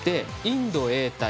インドＡ対